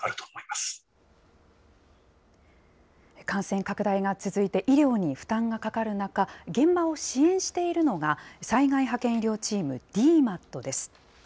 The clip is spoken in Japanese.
感染拡大が続いて医療に負担がかかる中、現場を支援しているのが、災害派遣医療チーム・ＤＭＡＴです。